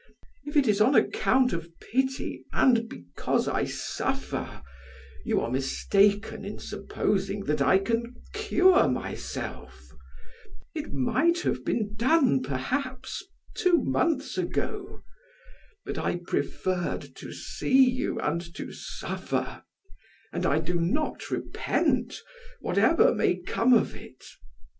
If it is on account of pity and because I suffer, you are mistaken in supposing that I can cure myself; it might have been done, perhaps, two months ago; but I preferred to see you and to suffer, and I do not repent, whatever may come of it.